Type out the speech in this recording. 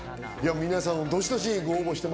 皆さん、どしどし応募しても